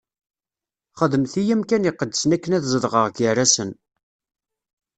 Xedmet-iyi amkan iqedsen akken ad zedɣeɣ gar-asen.